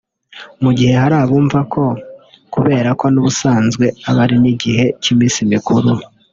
Mu gihe hari abumva ko kubera ko n’ubusanzwe aba ari igihe cy’iminsi mikuru